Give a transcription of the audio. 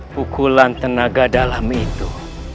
pukulan tenaga dalam itu